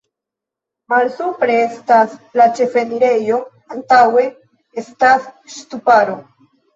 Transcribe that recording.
Malsupre estas la ĉefenirejo, antaŭe estas ŝtuparo.